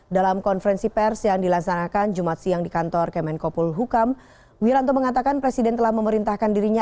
dalam konferensi pers yang dilaksanakan jumat siang di kantor kemenkopul hukam wiranto mengatakan presiden telah memerintahkan dirinya